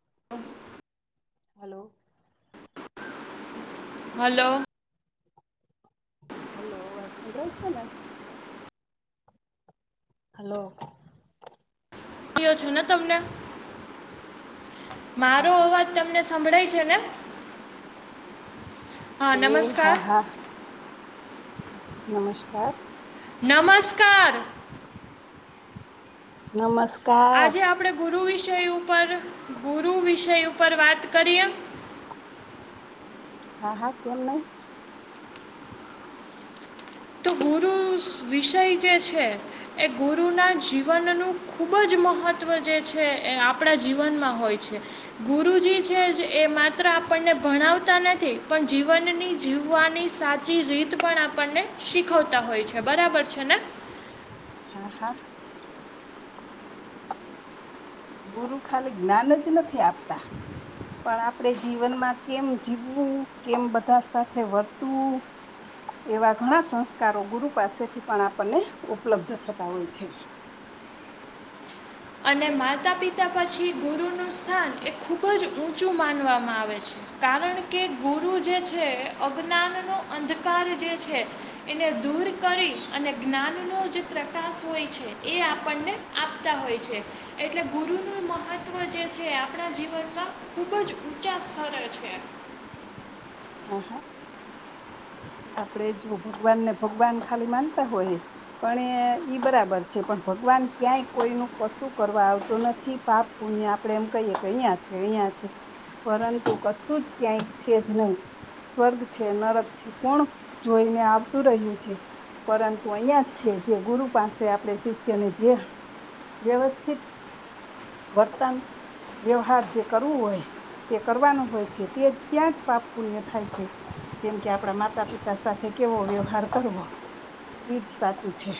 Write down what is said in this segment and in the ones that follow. [unintelligible] Hello hello hello વાચંદ્ર છે ને? હલો યો છે ને તમને હા મારો હા અવાજ તમને સંભળાય છેને? એ હા હા નમસ્કાર નમસ્કાર નમસ આજે આપણેે ગુરુ ગુરુ વિષય ઉપર ગુરુ વિષય ઉપર વાત કરીએ હા હા કેમ નહી તો ગુરુ વિષય જે છે એ ગુરુના જીવનનું ખૂબ જ મહત્વ જે છે એ આપણા જીવનમાં હોય છે ગુરુજી છે એ માત્ર આપણને ભણાવતા નથી પણ જીવનની જીવવાની સાચી રીત પણ આપણને શીખવતા હોય છે બરાબર છે ને હા હા ગુરુ ખાલી જ્ઞાન જ નથી આપતા પણ આપણે જીવનમાં કેમ જીવવું કેમ બધા સાથે વર્તવું એવા ઘણા સંસ્કારો ગુરુ પાસેથી પણ આપણને ઉપલબ્ધ થતા હોય છે. [inaudible] અને માતા પિતા પછી ગુરુનું સ્થાન એ ખૂબ જ ઊંચું માનવામાં આવે છે. કારણ કે ગુરુ જે છે અજ્ઞાનનો અંધકાર જે છે એને દૂર દૂર કરી અને જ્ઞાનનો જે પ્રકાશ હોય છે એ આપણને આપતા હોય છે. એટલે ગુરુનું મહત્વ જે છે એ આપણા જીવનમાં ખૂબ જ ઊંચા સ્તર છે. હા હા આપડે જો ભગવાન ને ભગવાન ખાલી માનતા હોય પણ એ ઈ બરાબર છે પણ ભગવાન ક્યાંય કોઈ નું કશું કરવા આવતું નથી પાપ પુણ્ય આપડે એમ કહીએ કે અહિયાં છે અહિયાં પરંતુ કશું જ ક્યાંય છે જ નહીં સ્વર્ગ છે નરક છે. કોણ જોઈને આવતું રહ્યું છે. પરંતુ અહિયાં જ છે જે ગુરુ પાસે આપણે શિષ્યને જે વ્યવસ્થિત વર્તન વ્યવહાર જે કરવું હોય તે કરવાનું હોય છે તે ત્યાં જ પાપ પુણ્ય થાય છે જેમ કે આપડા માતા માતા પિતા સાથે કેવો વ્યવહાર કરવો એજ સાચું છે.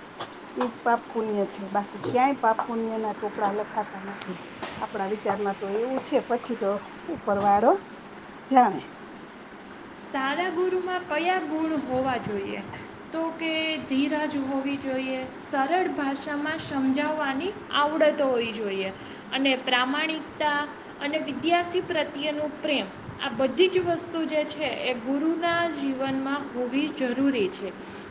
[inaudible] એ જ પાપપુન્ય છે બાકી ક્યાંય પાપ પુન્ય ના ચોપડા લખાતા નથી. આપણા વિચારમાં તો એવું છે. પછી તો ઉપર વાળો જાણે. સારા ગુરુમાં કયા ગુણ હોવા જોઈએ? તો કે ધીરાજ હોવી જોઈએ સરળ ભાષામાં સમજાવવાની આવક આવડતો હોવી જોઈએ. અને પ્રામાણિકતા અને વિદ્યાર્થી પ્રત્યેનું પ્રેમ આ બધી જ વસ્તુ જે છે. છે એ ગુરુના જીવનમાં હોવી જરૂરી છે.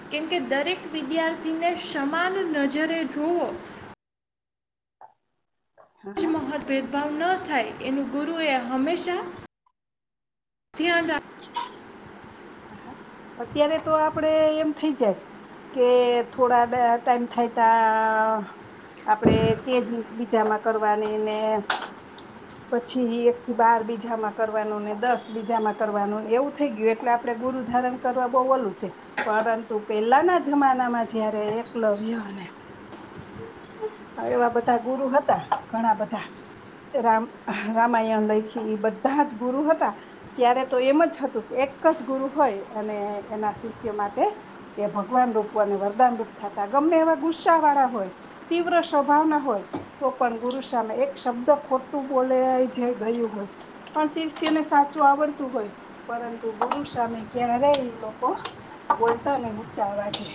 કેમ કે દરેક વિદ્યાર્થી ને સમાન નજરે જુઓ [inaudible] મહત ભેદભાવ ન થાય એનું ગુરુએ હંમેશા ધ્યાન રાખ હ હા અત્યારે તો આપડે એમ થઇ જાયત કે થોડા બે ટાઈમ થાય ત આપડે કેજી બીજામાં કરવાની ને પછી એક થી બાર બીજામાં કરવાનું ને દસ બીજામાં કરવાનુંને એવું થઈ ગયું એટલે આપ. ણે ગુરુ ધારણ કરવા બહુ ઓલું છે, પરંતુ પેલાના જમાનામાં જયારે એકલવ્ય અને એવા બધા ગુરુ હતા ઘણા બધા. રામ રામાયણ લયખી એ બધા જ ગુરુ હતા. ત્યારે તો એમ જ હતું કે, એક જ ગુરુ હોય અને એના શિષ્ય માટે એ ભગવાન રૂપ અને વરદાન રૂપ થતા. ગમે એવા ગુસ્સા વાળા હોય, તીવ્ર સ્વભાવ ના હોય તો પણ ગુરુ સામે એક શબ્દ ખોટું બોલે જે. ગયું હોય પણ શિષ્યને સાચું આવડતું હોય પરંતુ ગુરુ સામે ક્યારેય એ લોકો બોલતા નઈ ઉચા અવાજે.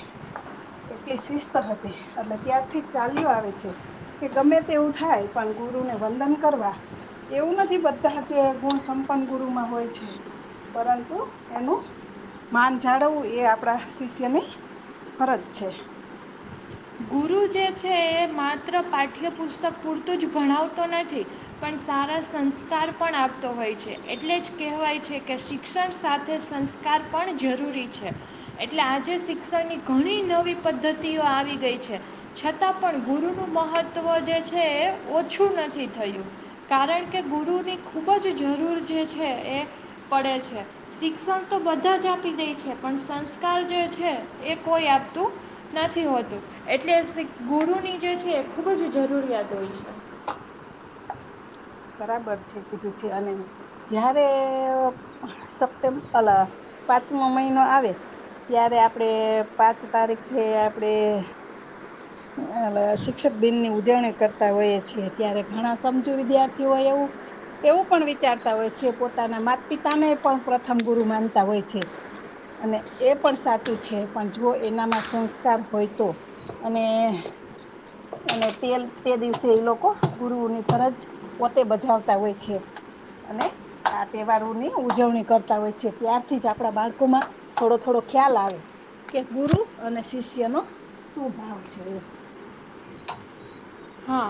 એટલી શિસ્ત હતી એટ ત્યારથી જ ચાલુ આવે છે. કે ગમે તે એવું થાય પણ ગુરુને વંદન કરવા. એવું નથી બધા જ ગુણ સંપન્ન ગુરુમાં હોય છે. પરંતુ એનું માન જાળવવું એ આપણા શિષ્યની ફરજ છે. ગુરુ જે છે, એ માત્ર પાઠ્યપુસ્તક પૂરતું જ ભણાવતો નથી. પણ સા સારા સંસ્કાર પણ આપતો હોય છે. એટલે જ કહેવાય છે કે શિક્ષણ સાથે સંસ્કાર પણ જરૂરી છે. એટલે આજે શિક્ષણની ઘણી નવી પદ્ધતિઓ આવી ગઈ છે. છતાં પણ ગુરુનું મહત્વ જે છે એ ઓછું નથી થયું. કાર કારણ કે ગુરુની ખૂબ જ જરૂર જે છે એ પડે છે. શિક્ષણ તો બધા બધા જ આપી દે છે. પણ સંસ્કાર જે છે એ કોઈ આપતું નથી હોતું. એટલે ગુરુની જે છે એ ખૂબ જ જરૂરિયાત હોય છે. બરાબર છે કીધું છે. અને જયારે સપ્ટેમ્બ પાંચમો મહિનો આવે ત્યારે આપણે પાંચ તારીખે આપડે એ શિક્ષક દિનની ઉજવણી કરતા હોયએ છીએ. ત્યારે ઘણા સમજુ વિધાર્થી કે હો એવું. એવું પણ વિચારતા હોય છે. પોતાના માત પિતાને પણ પ્રથમ ગુરુ માનતા હોય છે. અને એ પણ સાચું છે. પણ જો એનામાં સંસ્કાર હોય તો અને [inaudible] અને તેલ તે દિવસે એ લોકો ગુરુની ફરજ પોતે બજાવતા હોય છે. અને આ તહેવારોની ઉજવણી કરતા હોય છે. ત્યારથી જ આપડા બાળકો માં થોડો થોડો ખ્યાલ આવે. કે ગુરુ અને શિષ્ય નો શું ભાવ છે એ. [inaudible] હા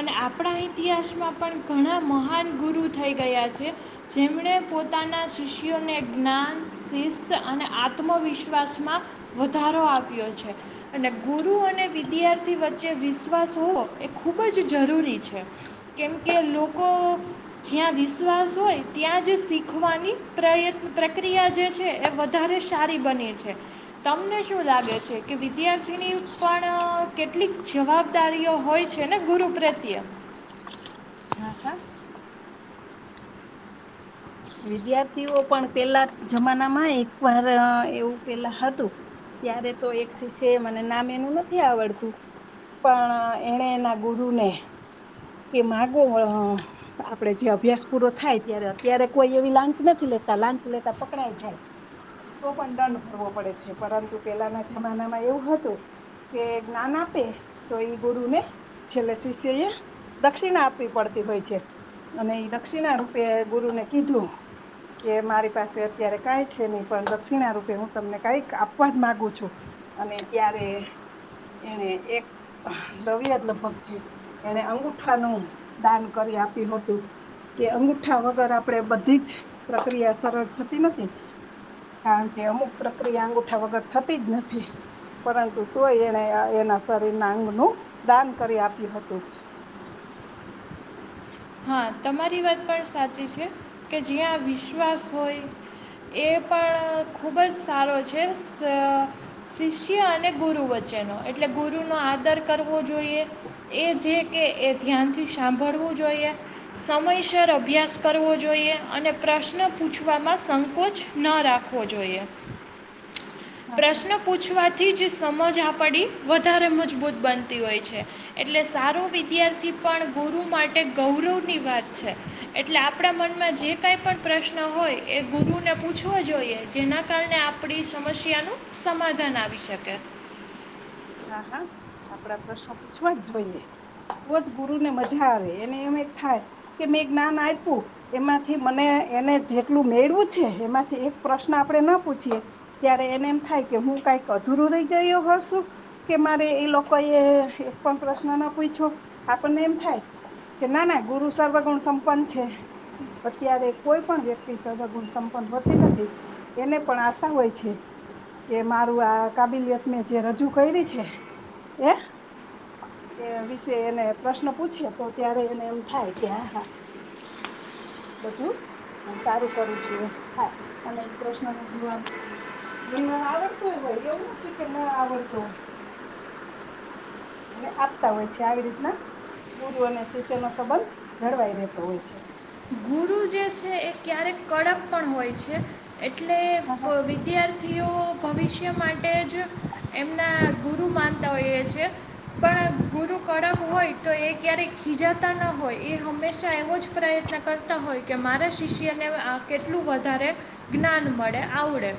અને આપણા ઇતિહાસમાં પણ ઘણા મહાન ગુરુ થઈ ગયા છે. જેમણે પોતાના શિષ્યોને જ્ઞાન શિસ્ત અને આત્મવિશ્વાસમાં. વધારો આપ્યો છે અને ગુરુ અને વિદ્યાર્થી વચ્ચે વિશ્વાસ હોવો. એ ખૂબ જ જરૂરી છે કેમકે લોકો જ્યાં વિશ્વાસ હોય. ત્યાં જ શીખવાની પ્રય પ્રક્રિયા જે છે એ વધારે સારી બને છે. તમને શું લાગે છે કે વિદ્યાર્થીની પણ કેટલીક જવાબદારીઓ હોય. છે ને ગુરુ પ્રત્યે. હા હા. વિદ્યાર્થીઓ પણ પેલા જમાના માં એક વાર એવું પેલા હતું. ત્યારે તો એક શિષ્ય મને નામ એનું નથી આવડતું. પણ એણે એના ગુરુને. કે માગો અ આપડે જે અભ્યાસ પૂરો થાય ત્યારે અત્યારે કોઈ એવી લાંચ નથી લેતા. તો લાંચ લેતા પકડાય જાય. તો પણ દંડ ભરવો પડે છે પરંતુ પેલાના જમાનામાં એવું હતું. કે જ્ઞાન આપે તો એ ગુરુને છેલ્લે શિષ્ય. દક્ષિણા આપવી પડતી હોય છે, અને એ દક્ષિણા રૂપે ગુરુને કીધું. કે મારી પાસે અત્યારે કઈ છે, નહી પણ દક્ષિણા રૂપે હું તમને કઈક આપવા જ માગુ છું. અને ત્યારે. એને એક લવ્ય જ લગભગ છે, એને અંગુઠ ઠા નું દાન કરી આપ્યું હતું. કે અંગુઠા વગર આપડે બધી જ પ્રક્રિયા સરળ થતી નથી. કારણ કે અમુક પ્રક્રિયા અંગુઠા વગર થતી જ નથી. પરંતુ તોય એણે એના શરીરના અંગનું દાન કરી આપ્યું હતું. હા તમારી વાત પણ સાચી છે કે જ્યાં વિશ્વાસ હોય. એ પણ ખૂબ જ સારો છે શ શિષ્ય અને ગુરુ વચ્ચે. ચેનો એટલે ગુરુનો આદર કરવો જોઈએ. એ જે કે એ ધ્યાનથી સાંભળવું જોઈએ. સમયસર અભ્યાસ કરવો જોઈએ અને પ્રશ્ન. પૂછવામાં સંકોચ ન રાખવો જોઈએ. હા હા પ્રશ્ન પૂછવાથી જ સમજ આપડી વધારે મજબૂત બનતી હોય છે. એટલે સારો વિદ્યાર્થી પણ ગુરુ માટે ગૌરવની વાત છે એટલે. આપણા મનમાં જે કાંઈ પણ પ્રશ્ન હોય એ ગુરુને પૂછવો જોઈએ. જેના કારણે આપણી સમસ્યાનું સમાધાન આવી શકે. હા હા આપડા પ્રશ્નો પૂછવા જ જોઈએ. તો જ ગુરુ ને મજા આવે એને એમ એ થાય કે મેં જ્ઞાન આપ્યું એમાંથી મને. એને જેટલું મેળવું છે, એમાંથી એક પ્રશ્ન આપડે ના પૂછીએ ત્યારે એને એમ થાય કે હું. કઈક અધુરું રહી ગયું હ શું. કે મારે એ લોકો એ એક પણ પ્રશ્ન ના પૂયછો આપણને એમ થાય કે ના ના. ગુરુ સર્વગુણ સંપન્ન છે. અત્યારે કોઈ પણ વ્યક્તિ સર્વગુણ સંપન્ન હોતી નથી. એને પણ આશા હોય છે કે મારું આ કાબિલિયત ને જે રજૂ. કયરી છે એ. એ વિશે એને પ્રશ્ન પૂછે તો ત્યારે એને એમ થાય કે આ હા. બધું. હ સારું કરું છું એમ હા અને એ પ્રશ્ન નો જવાબ. ઘણીવાર આવડતું હોય ભાઈ એવું નથી છે કે ના આવડતો હોઈ. અને આપતા હોય છે આવી રીતના. ગુરુ અને શિષ્ય નો સંબંધ જળવાઈ રહેતો હોય છે. ગુરુ જે છે, એ ક્યારેક કડક પણ હોય છે, એટલે હા હા વિદ્યા થીઓ ભવિષ્ય માટે જ એમના ગુરુ માનતા હોઈએ છે. પણ ગુરુ કળમ હોય તો એ ક્યારેક ખીજા મોટા ના હોય એ હંમેશા એવો જ પ્રયત્ન કરતા હોય એમ હોય કે મારા શિષ્યને આ કેટલું વધારે જ્ઞાન મળે આવડે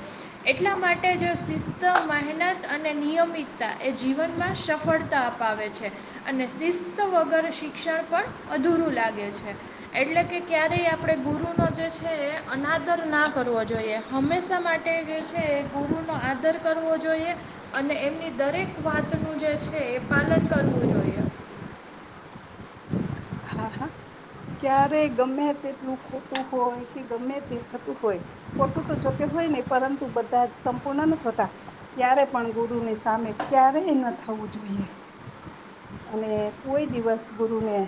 એટલા માટે જો શિષ્ય મહેનત અને નિયમિતતા એ જીવનમાં સફળતા અપાવે છે અને શિસ્ત શિસ્ત વગર શિક્ષણ પણ અધૂરું લાગે છે એટલે કે ક્યારેય આપણે ગુરુનો જે છે, અનાદર ના કરવો જોઈએ હંમેશા માટે જે છે. ગુરુનો આદર કરવો જોઈએ અને એમની દરેક વાતો નું જે છે, એ પાલન કરવું જોઈએ. [unintelligible] હા હા. ક્યારે ગમે તેટલું ખોટું હોય કે ગમે તે થતું હોય ખોટું તો જોકે કઈ નઈ પરંતુ બધા જ સંપૂર્ણ ન થતા ત્યારે પણ ગુરુની સામે ક્યારેય ન થવુ જોઈએ અને કોઈ દિવસ ગુરુને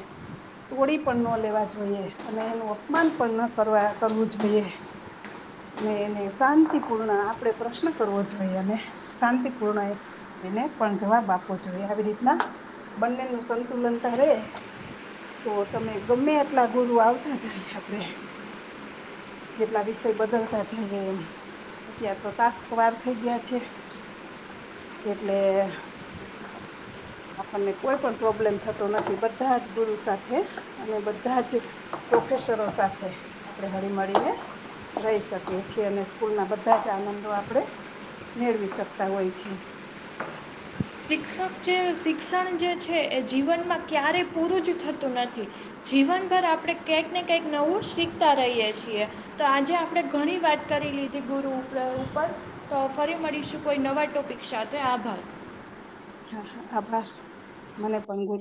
તોડી પણ ન લેવા જોઈએ અને એનું અપમાન પણ ન કરવા કરવું જોઈએ અને એને શાંતિપૂર્ણ આપણેે પ્રશ્ન કરવો જોઈએ અને શાંતિપૂર્ણ એને પણ જવાબ આપવો જોઈએ આવી રીતના બનેનું સંતુલન ધારે તો તમે ગમે એટલા ગુરુ આવતા જાય આપડે જેટલા વિષય બદલતા જઈએ એમ અત્યાર તો ટાસ્ક વાર થઈ ગયા છે એટલે આપણને કોઈ પણ પ્રોબ્લેમ થતો નથી બધા જ ગુરુ સાથે અને બધા જ પ્રોફેસરો સાથે આપણે હળી મળીને રહી શકીએ છીએ અને સ્કૂલ ના બધા જ આનંદો આપણે મેળવી શકતા હોય છે [inaudible] શિક્ષક જે શિક્ષણ જે છે એ જીવનમાં ક્યારેય પૂરું જ થતું નથી જીવનભર આપણે કઈક ને કંઈક નવું શીખતા રહીએ છીએ તો આજે આપણે ઘણી વાત કરી લીધી ગુરુ ઉપર તો ફરી મળીશું કોઈ નવા ટોપિક સાથે આભાર હા આભાર મને પણ ગુરુ